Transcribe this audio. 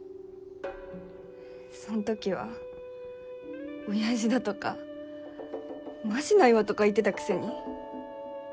そんときはおやじだとかマジないわとか言ってたくせに。